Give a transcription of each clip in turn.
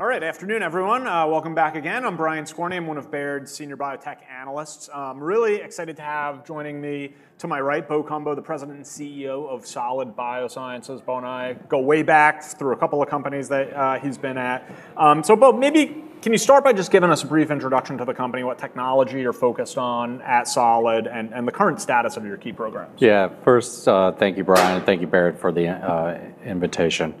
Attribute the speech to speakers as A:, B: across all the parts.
A: All right, afternoon, everyone. Welcome back again. I'm Brian Skorney. I'm one of Baird's Senior Biotech Analysts. I'm really excited to have joining me to my right, Bo Cumbo, the President and CEO of Solid Biosciences. Bo and I go way back through a couple of companies that he's been at. Bo, maybe can you start by just giving us a brief introduction to the company, what technology you're focused on at Solid, and the current status of your key programs?
B: Yeah, first, thank you, Brian, and thank you, Baird, for the invitation.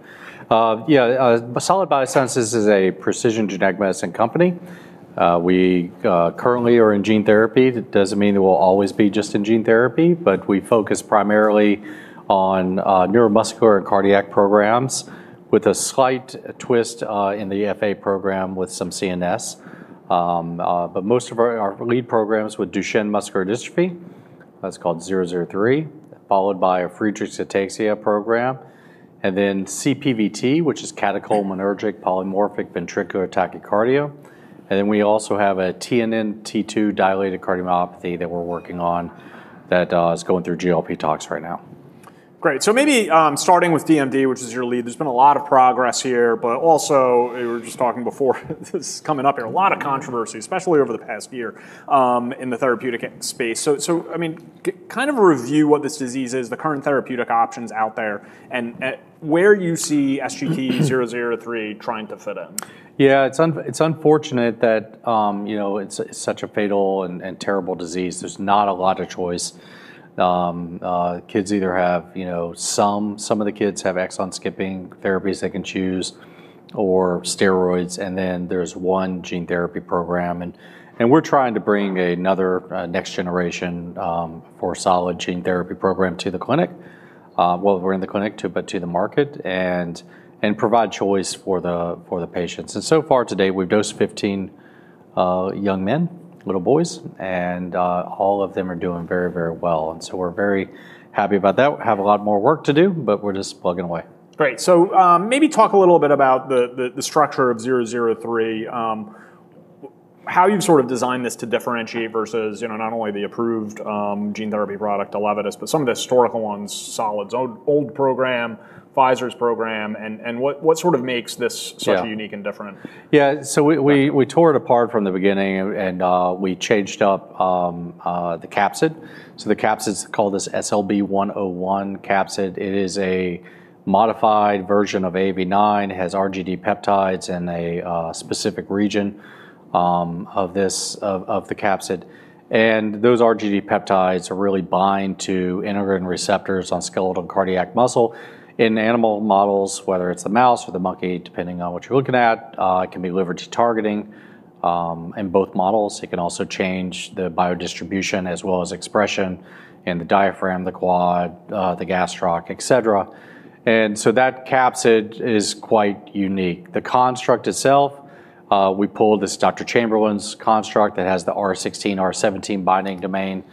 B: Yeah, Solid Biosciences is a precision genetic medicine company. We currently are in gene therapy. It doesn't mean that we'll always be just in gene therapy, but we focus primarily on neuromuscular and cardiac programs with a slight twist in the Friedreich’s ataxia program with some CNS. Most of our lead programs are with Duchenne muscular dystrophy, that's called SGT-003, followed by a Friedreich’s ataxia program, and then SGT-401, which is catecholaminergic polymorphic ventricular tachycardia. We also have SGT-601, a TNNT2 dilated cardiomyopathy that we're working on that is going through GLP toxicology right now.
A: Great. Maybe starting with DMD, which is your lead, there's been a lot of progress here, but also we were just talking before this is coming up here, a lot of controversy, especially over the past year in the therapeutic space. I mean, kind of review what this disease is, the current therapeutic options out there, and where you see SGT-003 trying to fit in.
B: Yeah, it's unfortunate that it's such a fatal and terrible disease. There's not a lot of choice. Kids either have, you know, some of the kids have excellent skipping therapies they can choose or steroids, and then there's one gene therapy program. We're trying to bring another next generation for Solid gene therapy program to the clinic. We're in the clinic too, but to the market and provide choice for the patients. So far today, we've dosed 15 young men, little boys, and all of them are doing very, very well. We're very happy about that. We have a lot more work to do, but we're just plugging away.
A: Great. Maybe talk a little bit about the structure of SGT-003, how you've sort of designed this to differentiate versus, you know, not only the approved gene therapy product, Elevidys, but some of the historical ones, Solid's old program, Pfizer's program, and what sort of makes this so unique and different?
B: Yeah, so we tore it apart from the beginning, and we changed up the capsid. The capsid is called this SLB-101 capsid. It is a modified version of AB9, has RGD peptides in a specific region of the capsid. Those RGD peptides really bind to integrin receptors on skeletal and cardiac muscle. In animal models, whether it's the mouse or the monkey, depending on what you're looking at, it can be delivered to targeting in both models. It can also change the biodistribution as well as expression in the diaphragm, the quad, the gastroc, et cetera. That capsid is quite unique. The construct itself, we pulled this Dr. Chamberlain's construct that has the R16, R17 binding domain,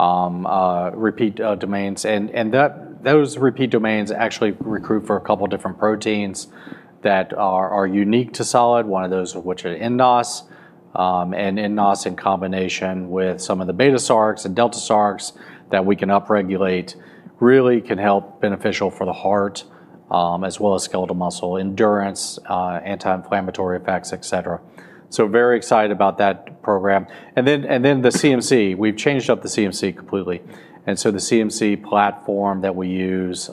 B: repeat domains. Those repeat domains actually recruit for a couple of different proteins that are unique to Solid, one of those of which are NNOS. NNOS in combination with some of the beta sarx and delta sarx that we can upregulate really can help beneficial for the heart as well as skeletal muscle endurance, anti-inflammatory effects, et cetera. Very excited about that program. The CMC, we've changed up the CMC completely. The CMC platform that we use,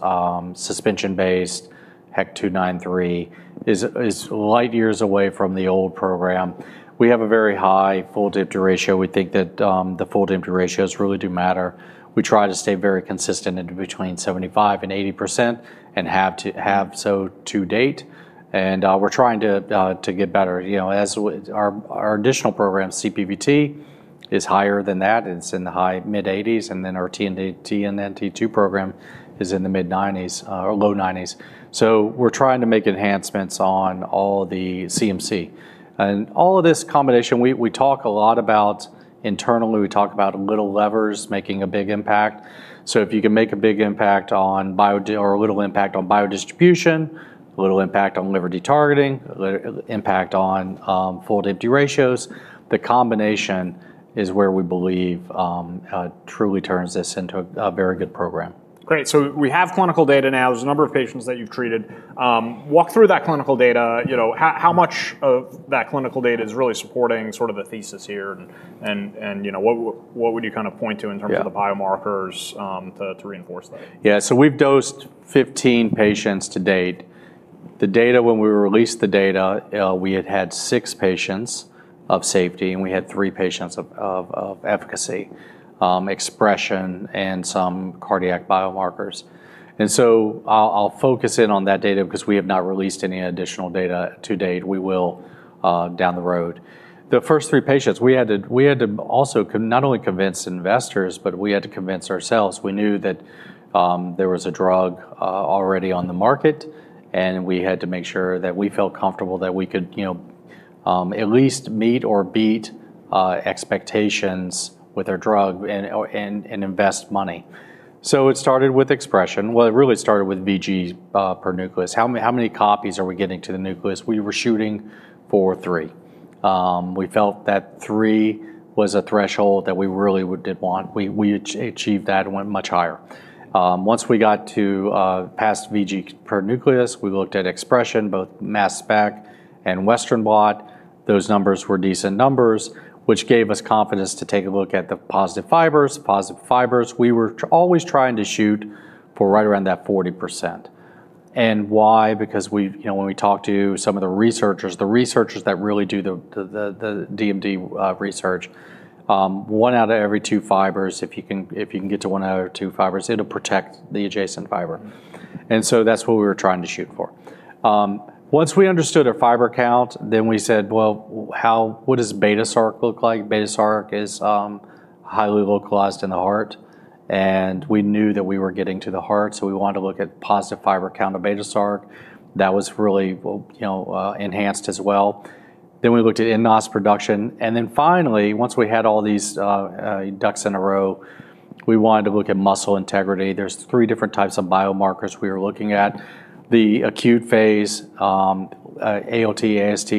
B: suspension-based HEC-293, is light years away from the old program. We have a very high full-to-empty ratio. We think that the full-to-empty ratios really do matter. We try to stay very consistent in between 75% and 80% and have so to date. We're trying to get better. Our additional program, CPVT, is higher than that. It's in the high mid-80%. Our TNNT2 program is in the mid-90% or low 90%. We're trying to make enhancements on all the CMC. All of this combination, we talk a lot about internally, we talk about little levers making a big impact. If you can make a big impact on or a little impact on biodistribution, a little impact on liver detargeting, a little impact on full-to-empty ratios, the combination is where we believe truly turns this into a very good program.
A: Great. We have clinical data now. There's a number of patients that you've treated. Walk through that clinical data. How much of that clinical data is really supporting sort of the thesis here? What would you kind of point to in terms of the biomarkers to reinforce?
B: Yeah, so we've dosed 15 patients to date. The data, when we released the data, we had had six patients of safety, and we had three patients of efficacy, expression, and some cardiac biomarkers. I'll focus in on that data because we have not released any additional data to date. We will down the road. The first three patients, we had to also not only convince investors, but we had to convince ourselves. We knew that there was a drug already on the market, and we had to make sure that we felt comfortable that we could, you know, at least meet or beat expectations with our drug and invest money. It started with expression. It really started with VG per nucleus. How many copies are we getting to the nucleus? We were shooting for three. We felt that three was a threshold that we really did want. We achieved that and went much higher. Once we got to past VG per nucleus, we looked at expression, both mass spec and Western blot. Those numbers were decent numbers, which gave us confidence to take a look at the positive fibers. The positive fibers, we were always trying to shoot for right around that 40%. Why? Because we, you know, when we talk to some of the researchers, the researchers that really do the DMD research, one out of every two fibers, if you can get to one out of two fibers, it'll protect the adjacent fiber. That's what we were trying to shoot for. Once we understood our fiber count, we said, what does beta sarc look like? Beta sarc is highly localized in the heart. We knew that we were getting to the heart. We wanted to look at positive fiber count of beta sarc. That was really, you know, enhanced as well. We looked at NNOS production. Finally, once we had all these ducks in a row, we wanted to look at muscle integrity. There's three different types of biomarkers we were looking at. The acute phase, ALT, AST,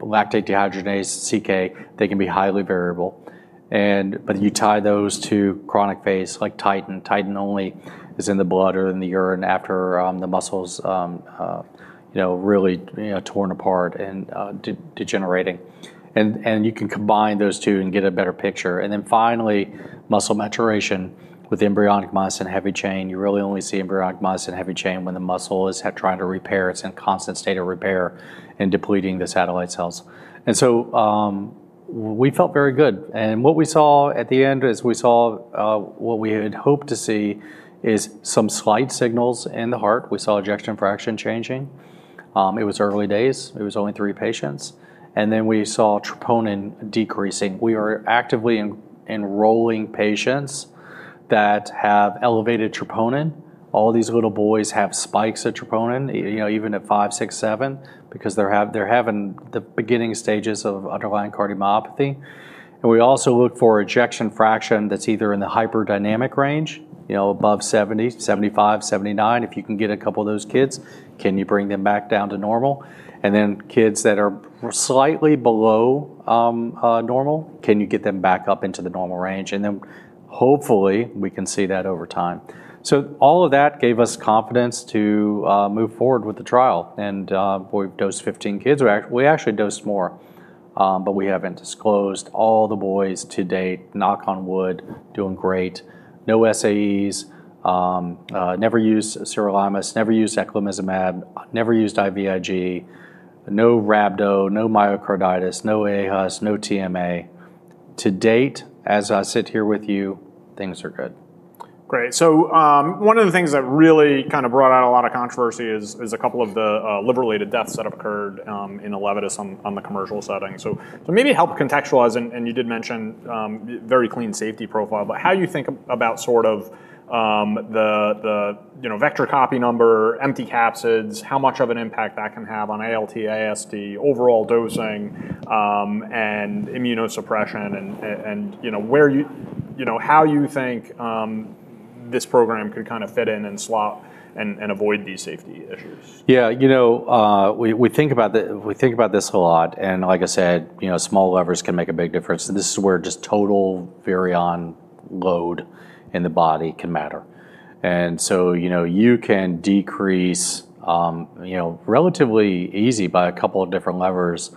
B: lactate dehydrogenase, CK, they can be highly variable. You tie those to chronic phase, like TITAN. TITAN only is in the blood or in the urine after the muscle's, you know, really torn apart and degenerating. You can combine those two and get a better picture. Finally, muscle maturation with embryonic myosin heavy chain. You really only see embryonic myosin heavy chain when the muscle is trying to repair. It's in a constant state of repair and depleting the satellite cells. We felt very good. What we saw at the end is we saw what we had hoped to see, some slight signals in the heart. We saw ejection fraction changing. It was early days. It was only three patients. We saw troponin decreasing. We are actively enrolling patients that have elevated troponin. All these little boys have spikes of troponin, even at five, six, seven, because they're having the beginning stages of underlying cardiomyopathy. We also look for ejection fraction that's either in the hyperdynamic range, above 70%, 75%, 79%. If you can get a couple of those kids, can you bring them back down to normal? Kids that are slightly below normal, can you get them back up into the normal range? Hopefully we can see that over time. All of that gave us confidence to move forward with the trial. We dosed 15 kids. We actually dosed more, but we haven't disclosed all the boys to date. Knock on wood, doing great. No SAEs, never used sirolimus, never used aclamazumab, never used IVIG, no rhabdo, no myocarditis, no AHAS, no TMA. To date, as I sit here with you, things are good.
A: Great. One of the things that really kind of brought out a lot of controversy is a couple of the liver-related deaths that have occurred in Elevidys on the commercial setting. Maybe help contextualize, and you did mention very clean safety profile, but how do you think about sort of the vector copy number, empty capsids, how much of an impact that can have on ALT, AST, overall dosing, and immunosuppression, and how you think this program could kind of fit in and avoid these safety issues?
B: Yeah, you know, we think about this a lot. Like I said, small levers can make a big difference. This is where just total virion load in the body can matter. You can decrease, relatively easy by a couple of different levers,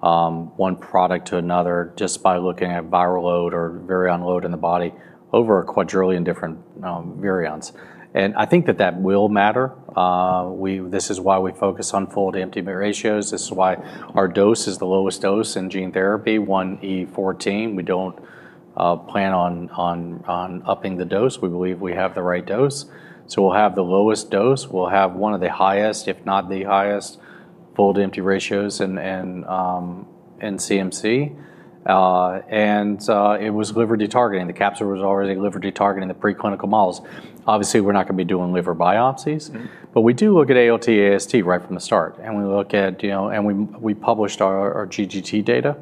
B: one product to another, just by looking at viral load or virion load in the body over a quadrillion different virions. I think that will matter. This is why we focus on full-to-empty capsid ratios. This is why our dose is the lowest dose in gene therapy, 1E14. We don't plan on upping the dose. We believe we have the right dose. We'll have the lowest dose. We'll have one of the highest, if not the highest, full-to-empty capsid ratios in CMC. It was liver detargeting. The capsid was already liver detargeting in the preclinical models. Obviously, we're not going to be doing liver biopsies, but we do look at ALT, AST right from the start. We look at, and we published our GGT data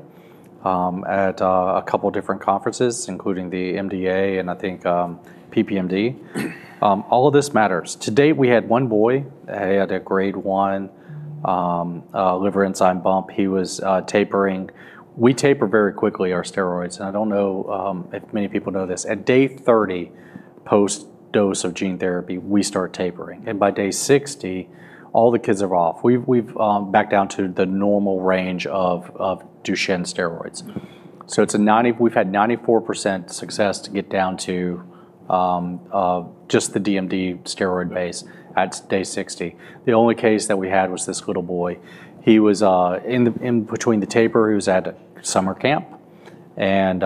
B: at a couple of different conferences, including the MDA and I think PPMD. All of this matters. To date, we had one boy that had a grade 1 liver enzyme bump. He was tapering. We taper very quickly our steroids. I don't know if many people know this. At day 30 post-dose of gene therapy, we start tapering. By day 60, all the kids are off. We've backed down to the normal range of Duchenne steroids. We've had 94% success to get down to just the DMD steroid base at day 60. The only case that we had was this little boy. He was in between the taper. He was at summer camp. He had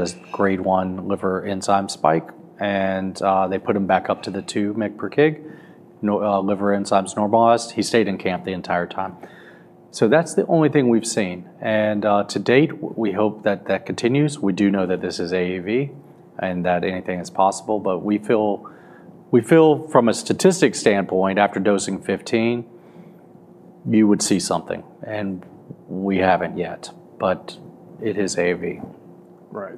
B: a grade 1 liver enzyme spike. They put him back up to the 2 mg/kg. Liver enzymes normalized. He stayed in camp the entire time. That's the only thing we've seen. To date, we hope that continues. We do know that this is AAV and that anything is possible. We feel, from a statistic standpoint, after dosing 15, you would see something. We haven't yet. It is AAV.
A: Right.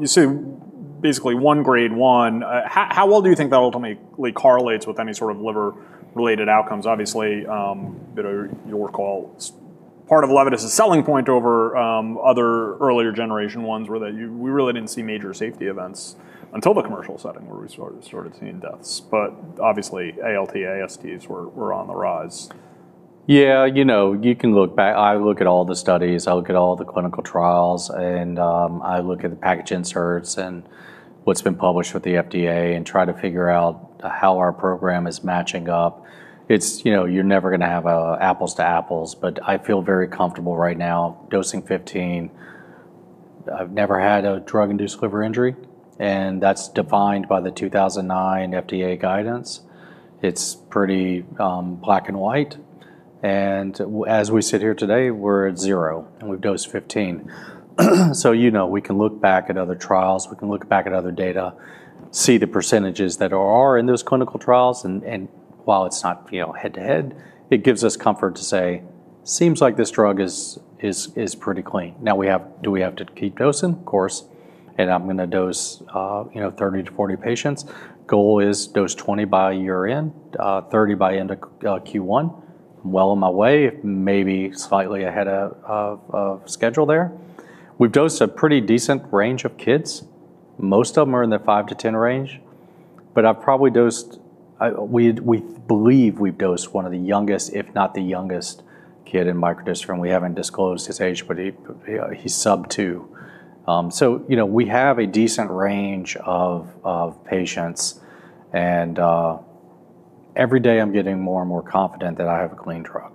A: You see, basically, one grade one. How well do you think that ultimately correlates with any sort of liver-related outcomes? Obviously, your call is part of Elevidys's selling point over other earlier generation ones, where we really didn't see major safety events until the commercial setting, where we started seeing deaths. Obviously, ALT, ASTs were on the rise.
B: Yeah, you know, you can look back. I look at all the studies. I look at all the clinical trials. I look at the package inserts and what's been published with the FDA and try to figure out how our program is matching up. You're never going to have apples to apples. I feel very comfortable right now dosing 15. I've never had a drug-induced liver injury, and that's defined by the 2009 FDA guidance. It's pretty black and white. As we sit here today, we're at zero, and we've dosed 15. You know, we can look back at other trials. We can look back at other data, see the % that are in those clinical trials. While it's not head-to-head, it gives us comfort to say, seems like this drug is pretty clean. Now, do we have to keep dosing? Of course. I'm going to dose 30 to 40 patients. Goal is dose 20 by year end, 30 by end of Q1. I'm well on my way, if maybe slightly ahead of schedule there. We've dosed a pretty decent range of kids. Most of them are in the 5 to 10 range. I've probably dosed, we believe we've dosed one of the youngest, if not the youngest kid in microdiscipline. We haven't disclosed his age, but he's sub two. We have a decent range of patients. Every day, I'm getting more and more confident that I have a clean drug.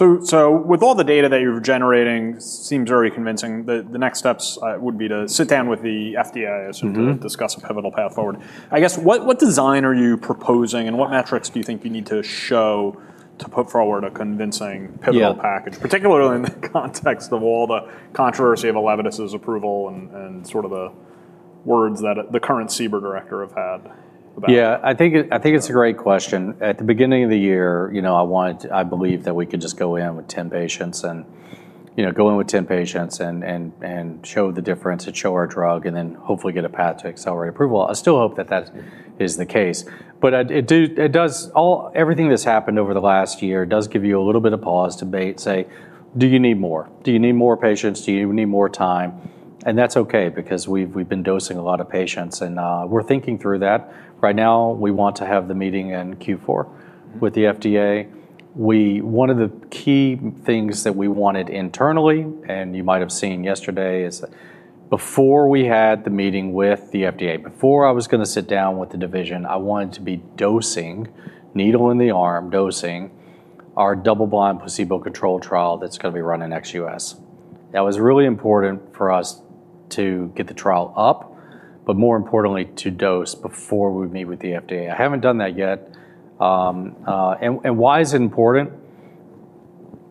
A: With all the data that you're generating, it seems very convincing that the next steps would be to sit down with the FDA and discuss a pivotal path forward. I guess, what design are you proposing? What metrics do you think you need to show to put forward a convincing pivotal package, particularly in the context of all the controversy of Elevidys's approval and the words that the current CBER director has had?
B: Yeah, I think it's a great question. At the beginning of the year, I wanted to, I believe that we could just go in with 10 patients and go in with 10 patients and show the difference and show our drug and then hopefully get a path to accelerated approval. I still hope that that is the case. Everything that's happened over the last year does give you a little bit of pause to say, do you need more? Do you need more patients? Do you need more time? That's OK because we've been dosing a lot of patients. We're thinking through that. Right now, we want to have the meeting in Q4 with the FDA. One of the key things that we wanted internally, and you might have seen yesterday, is that before we had the meeting with the FDA, before I was going to sit down with the division, I wanted to be dosing, needle in the arm, dosing our double-blind, placebo-controlled trial that's going to be run in XUS. That was really important for us to get the trial up, but more importantly, to dose before we meet with the FDA. I haven't done that yet. Why is it important?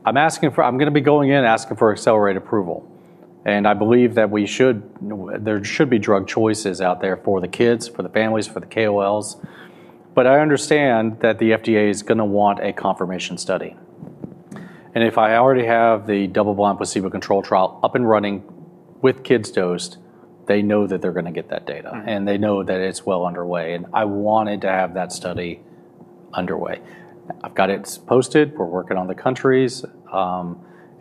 B: I'm asking for, I'm going to be going in asking for accelerated approval. I believe that we should, there should be drug choices out there for the kids, for the families, for the KOLs. I understand that the FDA is going to want a confirmation study. If I already have the double-blind, placebo-controlled trial up and running with kids dosed, they know that they're going to get that data. They know that it's well underway. I wanted to have that study underway. I've got it posted. We're working on the countries.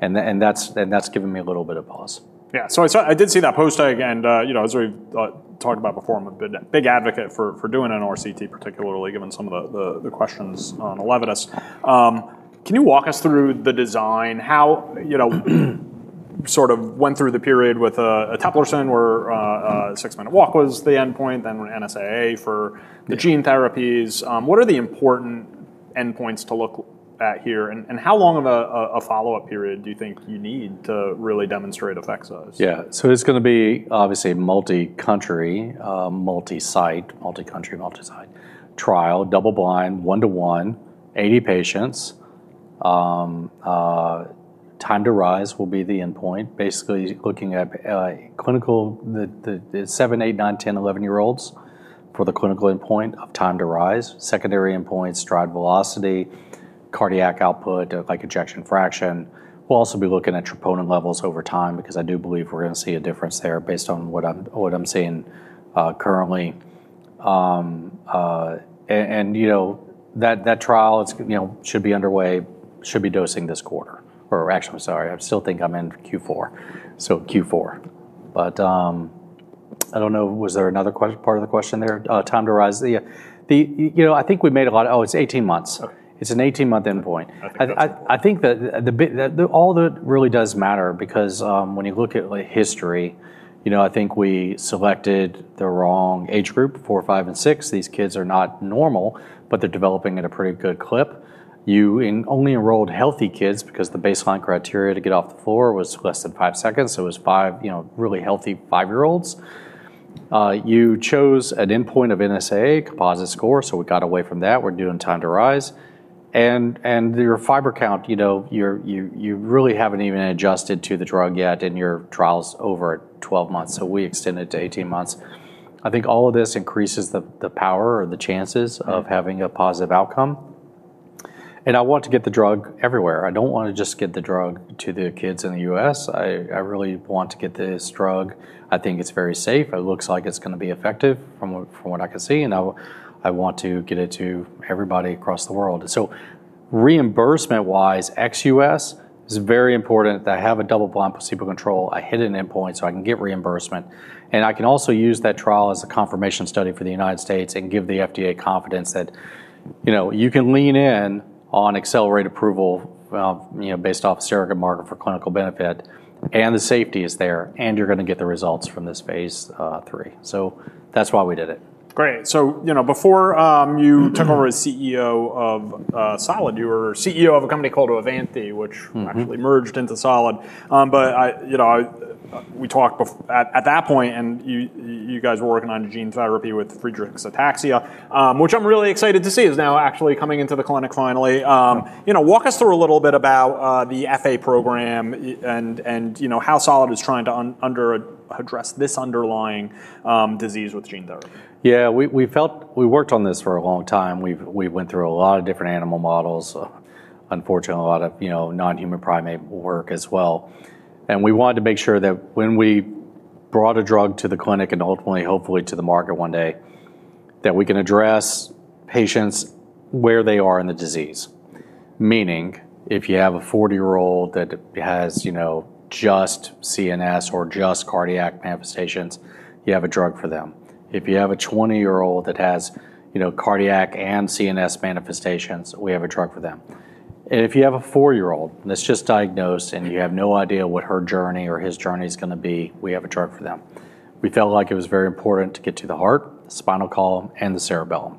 B: That's given me a little bit of pause.
A: Yeah, so I did see that post. As we talked about before, I'm a big advocate for doing an RCT, particularly given some of the questions on Elevidys. Can you walk us through the design? How, you know, sort of went through the period with eteplirsen where a six-minute walk was the endpoint, then NSAA for the gene therapies? What are the important endpoints to look at here? How long of a follow-up period do you think you need to really demonstrate effects?
B: Yeah, so it's going to be obviously a multi-country, multi-site trial, double-blind, one-to-one, 80 patients. Time to rise will be the endpoint, basically looking at clinical, the 7, 8, 9, 10, 11-year-olds for the clinical endpoint of time to rise. Secondary endpoints, drive velocity, cardiac output, like ejection fraction. We'll also be looking at troponin levels over time because I do believe we're going to see a difference there based on what I'm seeing currently. That trial should be underway, should be dosing this quarter. Actually, sorry, I still think I'm in Q4. So Q4. I don't know, was there another part of the question there? Time to rise. I think we made a lot of, oh, it's 18 months. It's an 18-month endpoint. I think that all that really does matter because when you look at history, I think we selected the wrong age group, four, five, and six. These kids are not normal, but they're developing at a pretty good clip. You only enrolled healthy kids because the baseline criteria to get off the floor was less than five seconds. So it was five, you know, really healthy five-year-olds. You chose an endpoint of NSAA, composite score. We got away from that. We're doing time to rise. Your fiber count, you really haven't even adjusted to the drug yet. Your trial's over 12 months. We extended it to 18 months. I think all of this increases the power or the chances of having a positive outcome. I want to get the drug everywhere. I don't want to just get the drug to the kids in the U.S. I really want to get this drug. I think it's very safe. It looks like it's going to be effective from what I can see. I want to get it to everybody across the world. Reimbursement-wise, ex-U.S. is very important that I have a double-blind placebo control. I hit an endpoint so I can get reimbursement. I can also use that trial as a confirmation study for the United States and give the FDA confidence that you can lean in on accelerated approval, based off the surrogate market for clinical benefit. The safety is there. You're going to get the results from this phase three. That's why we did it.
A: Great. Before you took over as CEO of Solid Biosciences, you were CEO of a company called Avanti, which actually merged into Solid Biosciences. I remember we talked at that point. You guys were working on gene therapy with the Friedreich’s ataxia, which I'm really excited to see is now actually coming into the clinic finally. Walk us through a little bit about the FA program and how Solid Biosciences is trying to address this underlying disease with gene therapy.
B: Yeah, we felt we worked on this for a long time. We went through a lot of different animal models, unfortunately, a lot of non-human primate work as well. We wanted to make sure that when we brought a drug to the clinic and ultimately, hopefully, to the market one day, that we can address patients where they are in the disease. Meaning, if you have a 40-year-old that has just CNS or just cardiac manifestations, you have a drug for them. If you have a 20-year-old that has cardiac and CNS manifestations, we have a drug for them. If you have a four-year-old that's just diagnosed and you have no idea what her journey or his journey is going to be, we have a drug for them. We felt like it was very important to get to the heart, the spinal column, and the cerebellum.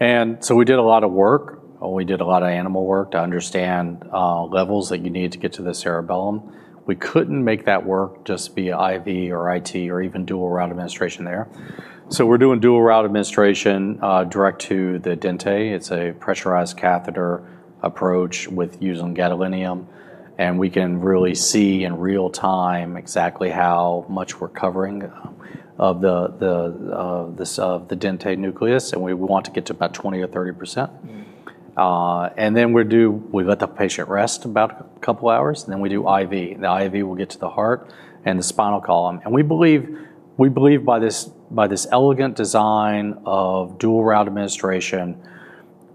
B: We did a lot of work. We did a lot of animal work to understand levels that you need to get to the cerebellum. We couldn't make that work just via IV or IT or even dual-route administration there. We are doing dual-route administration direct to the dentate. It's a pressurized catheter approach with using gadolinium. We can really see in real time exactly how much we're covering of the dentate nucleus. We want to get to about 20% or 30%. We let the patient rest about a couple of hours, and then we do IV. The IV will get to the heart and the spinal column. We believe by this elegant design of dual-route administration,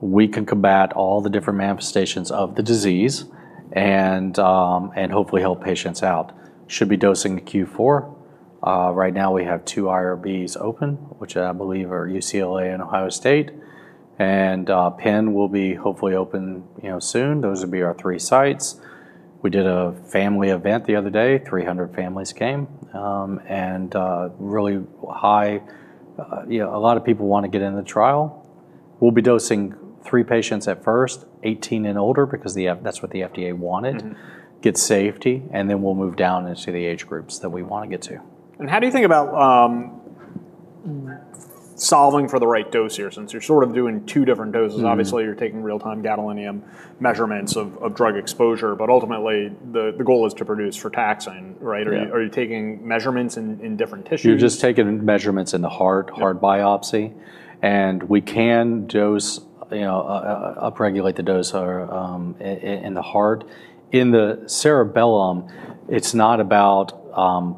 B: we can combat all the different manifestations of the disease and hopefully help patients out. Should be dosing Q4. Right now, we have two IRBs open, which I believe are UCLA and Ohio State. Penn will be hopefully open soon. Those would be our three sites. We did a family event the other day. 300 families came. Really high, a lot of people want to get in the trial. We'll be dosing three patients at first, 18 and older, because that's what the FDA wanted, get safety. Then we'll move down into the age groups that we want to get to.
A: How do you think about solving for the right dose here? Since you're sort of doing two different doses, obviously, you're taking real-time gadolinium measurements of drug exposure. Ultimately, the goal is to produce for taxine, right? Are you taking measurements in different tissues?
B: You're just taking measurements in the heart, heart biopsy. We can dose, you know, upregulate the dose in the heart. In the cerebellum, it's not about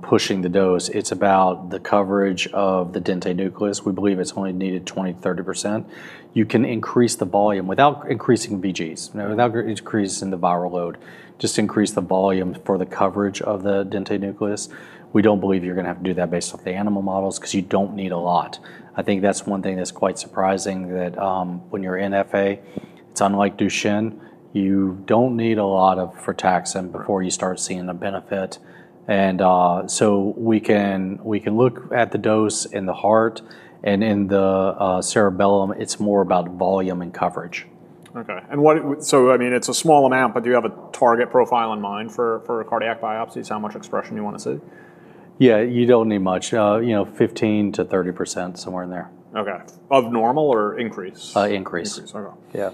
B: pushing the dose. It's about the coverage of the dentate nucleus. We believe it's only needed 20% to 30%. You can increase the volume without increasing VGs, without increasing the viral load, just increase the volume for the coverage of the dentate nucleus. We don't believe you're going to have to do that based off the animal models because you don't need a lot. I think that's one thing that's quite surprising that when you're in FA, it's unlike Duchenne. You don't need a lot of for taxine before you start seeing a benefit. We can look at the dose in the heart, and in the cerebellum, it's more about volume and coverage.
A: OK. It's a small amount, but do you have a target profile in mind for cardiac biopsies? How much expression you want to see?
B: Yeah, you don't need much. You know, 15% to 30%, somewhere in there.
A: OK. Above normal or increase?
B: Increase.
A: OK.
B: Yeah.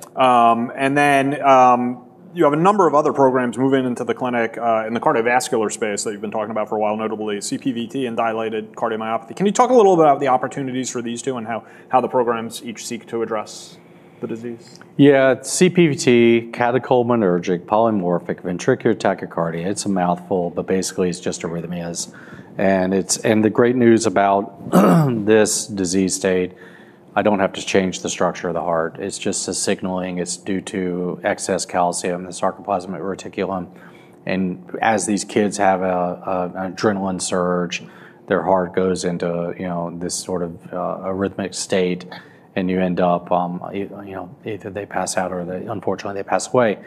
A: You have a number of other programs moving into the clinic in the cardiovascular space that you've been talking about for a while, notably CPVT and dilated cardiomyopathy. Can you talk a little bit about the opportunities for these two and how the programs each seek to address the disease?
B: Yeah, CPVT, catecholaminergic polymorphic ventricular tachycardia. It's a mouthful, but basically, it's just arrhythmias. The great news about this disease state, I don't have to change the structure of the heart. It's just a signaling, it's due to excess calcium in the sarcoplasmic reticulum. As these kids have an adrenaline surge, their heart goes into, you know, this sort of arrhythmic state. You end up, you know, either they pass out or, unfortunately, they pass away.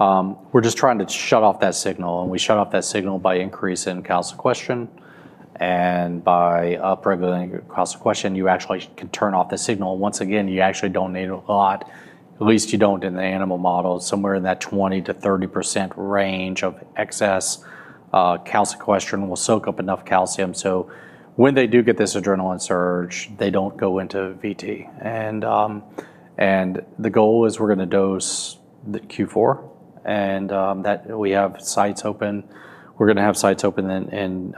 B: We're just trying to shut off that signal. We shut off that signal by increasing calsequestrin. By upregulating calsequestrin, you actually can turn off the signal. Once again, you actually don't need a lot. At least you don't in the animal models. Somewhere in that 20% to 30% range of excess calsequestrin will soak up enough calcium. When they do get this adrenaline surge, they don't go into VT. The goal is we're going to dose Q4. We have sites open. We're going to have sites open in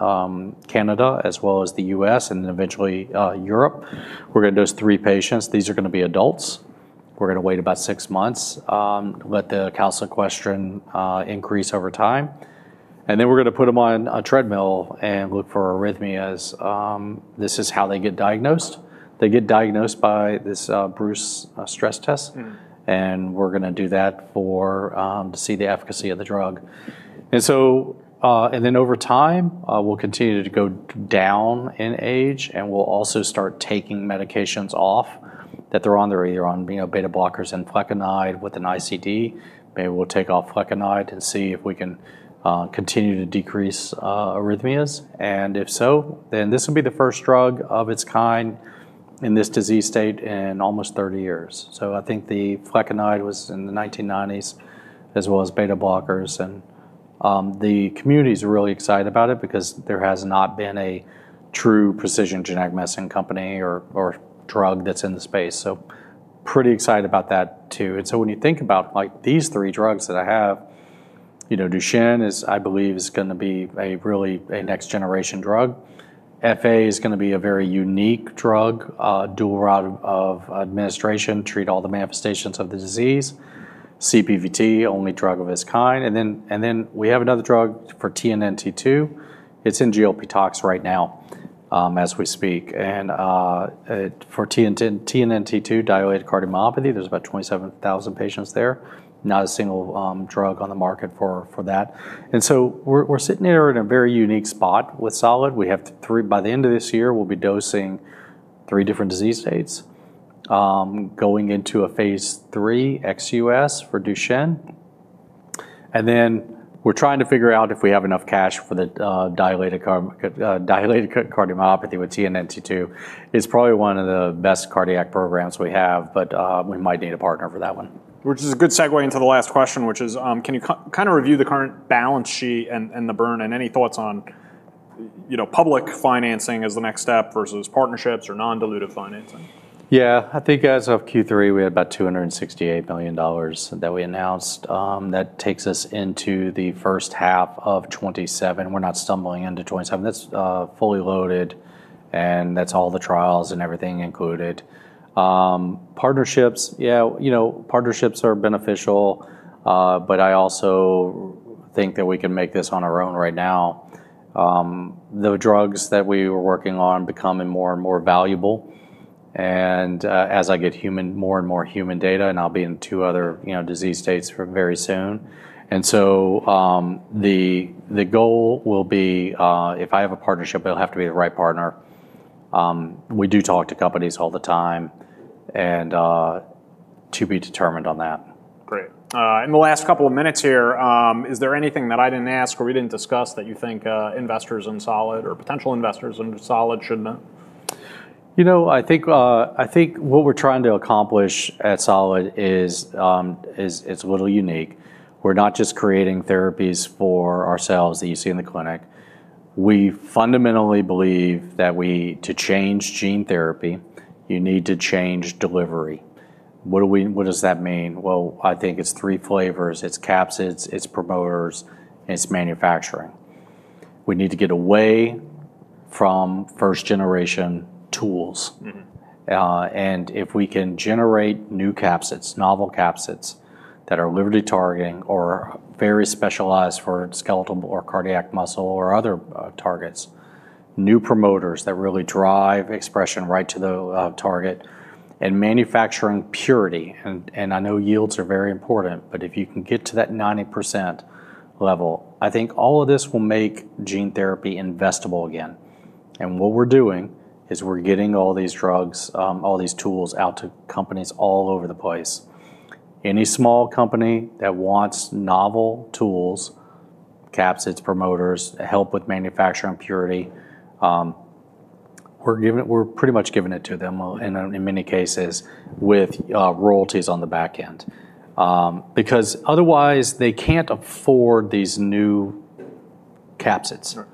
B: Canada as well as the U.S. and eventually, Europe. We're going to dose three patients. These are going to be adults. We're going to wait about six months, let the calsequestrin increase over time. Then we're going to put them on a treadmill and look for arrhythmias. This is how they get diagnosed. They get diagnosed by this Bruce stress test. We're going to do that to see the efficacy of the drug. Over time, we'll continue to go down in age. We'll also start taking medications off that they're on. They're either on, you know, beta blockers and flecainide with an ICD. Maybe we'll take off flecainide and see if we can continue to decrease arrhythmias. If so, then this will be the first drug of its kind in this disease state in almost 30 years. I think the flecainide was in the 1990s as well as beta blockers. The community is really excited about it because there has not been a true precision genetic medicine company or drug that's in the space. Pretty excited about that too. When you think about like these three drugs that I have, you know, Duchenne is, I believe, is going to be a really next generation drug. FA is going to be a very unique drug, dual route of administration, treat all the manifestations of the disease. CPVT, only drug of its kind. We have another drug for TNNT2. It's in GLP tox right now as we speak. For TNNT2 dilated cardiomyopathy, there's about 27,000 patients there. Not a single drug on the market for that. We are sitting here in a very unique spot with Solid. We have three, by the end of this year, we'll be dosing three different disease states, going into a phase three XUS for Duchenne. We are trying to figure out if we have enough cash for the dilated cardiomyopathy with TNNT2. It's probably one of the best cardiac programs we have, but we might need a partner for that one.
A: Which is a good segue into the last question, which is, can you kind of review the current balance sheet and the burn and any thoughts on, you know, public financing as the next step versus partnerships or non-dilutive financing?
B: Yeah, I think as of Q3, we had about $268 million that we announced. That takes us into the first half of 2027. We're not stumbling into 2027. That's fully loaded, and that's all the trials and everything included. Partnerships, yeah, you know, partnerships are beneficial. I also think that we can make this on our own right now. The drugs that we were working on are becoming more and more valuable. As I get more and more human data, I'll be in two other, you know, disease states very soon. The goal will be, if I have a partnership, it'll have to be the right partner. We do talk to companies all the time and to be determined on that.
A: Great. In the last couple of minutes here, is there anything that I didn't ask or we didn't discuss that you think investors in Solid or potential investors in Solid should know?
B: You know, I think what we're trying to accomplish at Solid is a little unique. We're not just creating therapies for ourselves that you see in the clinic. We fundamentally believe that to change gene therapy, you need to change delivery. What does that mean? I think it's three flavors. It's capsids, it's promoters, and it's manufacturing. We need to get away from first-generation tools. If we can generate new capsids, novel capsids that are liver detargeting or very specialized for skeletal or cardiac muscle or other targets, new promoters that really drive expression right to the target, and manufacturing purity. I know yields are very important, but if you can get to that 90% level, I think all of this will make gene therapy investable again. What we're doing is we're getting all these drugs, all these tools out to companies all over the place. Any small company that wants novel tools, capsids, promoters, help with manufacturing purity, we're pretty much giving it to them in many cases with royalties on the back end. Otherwise, they can't afford these new capsids.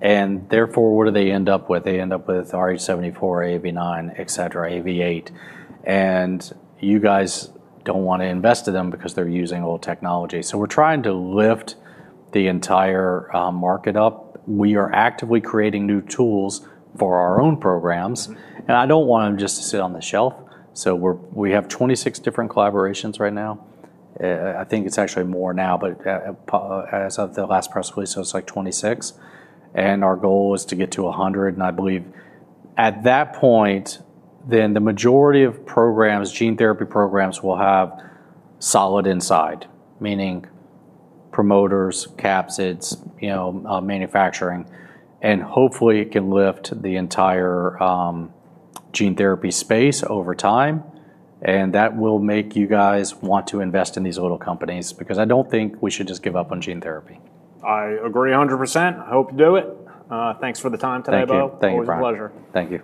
B: Therefore, what do they end up with? They end up with RH74, AAV9, et cetera, AAV8. You guys don't want to invest in them because they're using old technology. We're trying to lift the entire market up. We are actively creating new tools for our own programs. I don't want them just to sit on the shelf. We have 26 different collaborations right now. I think it's actually more now, but as of the last press release, it was like 26. Our goal is to get to 100. I believe at that point, then the majority of programs, gene therapy programs will have Solid inside, meaning promoters, capsids, manufacturing. Hopefully, it can lift the entire gene therapy space over time. That will make you guys want to invest in these little companies because I don't think we should just give up on gene therapy.
A: I agree 100%. I hope you do it. Thanks for the time today, Bo.
B: Thank you.
A: It was a pleasure.
B: Thank you.